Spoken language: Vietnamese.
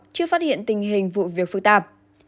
chưa phát hiện tình hình vụ việc phức tạp